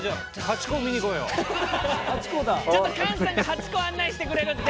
ちょっと菅さんがハチ公案内してくれるって。